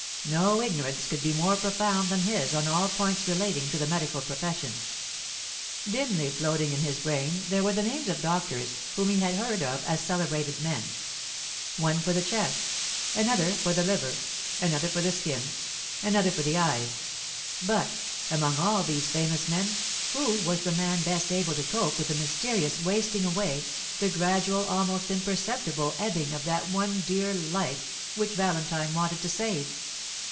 No ignorance could be more profound than his on all points relating to the medical profession. Dimly floating in his brain there were the names of doctors whom he had heard of as celebrated men one for the chest, another for the liver, another for the skin, another for the eyes; but, among all these famous men, who was the man best able to cope with the mysterious wasting away, the gradual, almost imperceptible ebbing of that one dear life which Valentine wanted to save?